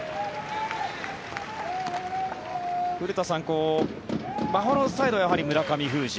古田さん、バファローズサイドはやはり村上封じ